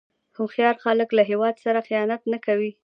هوښیار خلک له هیواد سره خیانت نه کوي.